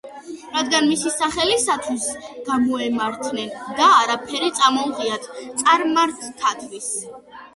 რადგან მისი სახელისათვის გამოემართნენ და არაფერი წამოუღიათ წარმართთათვის.